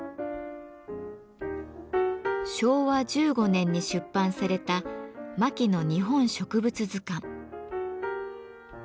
昭和１５年に出版された「牧野日本植物図鑑」。